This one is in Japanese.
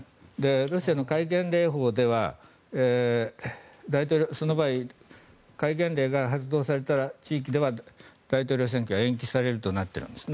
ロシアの戒厳令法では戒厳令が発動された地域では大統領選挙が延期されるとなっているんですね。